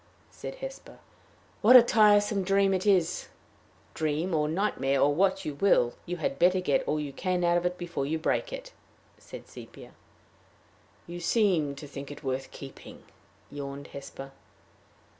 said Hesper. "What a tiresome dream it is!" "Dream, or nightmare, or what you will, you had better get all you can out of it before you break it," said Sepia. "You seem to think it worth keeping!" yawned Hesper.